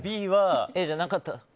Ａじゃなかった。